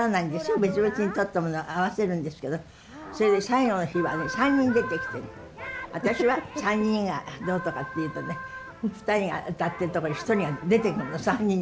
別々に撮ったものを合わせるんですけどそれで最後の日はね３人出てきて私は３人がどうとかって言うとね２人が歌ってるとこに１人が出てくるの３人に。